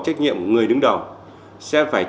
trách nhiệm của người đứng đầu sẽ phải